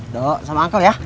do sama ankel ya